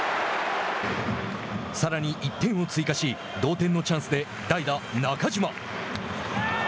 さらに１点を追加し同点のチャンスで、代打・中島。